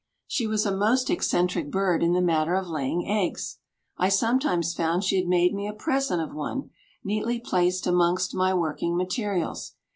She was a most eccentric bird in the matter of laying eggs. I sometimes found she had made me a present of one, neatly placed amongst my working materials!